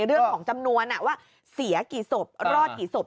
เรื่องของจำนวนว่าเสียกี่ศพรอดกี่ศพ